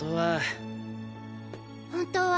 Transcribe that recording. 本当は。